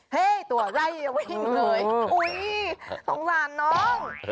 เฮ้ยตัวไร้วิ่งเลยโอ๊ยสงสารน้อง